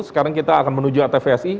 sekarang kita akan menuju atvsi